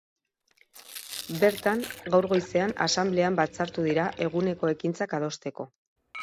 Bertan, gaur goizean asanblean batzartu dira, eguneko ekintzak adosteko.